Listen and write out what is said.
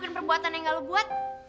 ini kekuatan yang gak lo buat